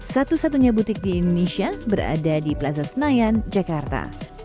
satu satunya butik di indonesia berada di plaza senayan jakarta